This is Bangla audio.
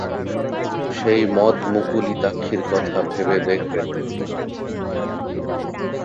সেই মদ-মুকুলিতাক্ষীর কথাটা ভেবে দেখবেন।